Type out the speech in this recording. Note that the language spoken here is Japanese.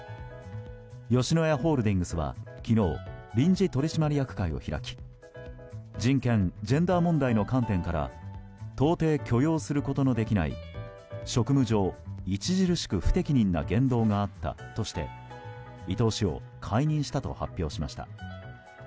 吉野家ホールディングスは昨日、臨時取締役会を開き人権・ジェンダー問題の観点から到底許容することのできない職務上、著しく不適任な言動があったとして伊東氏を解任したと発表しました。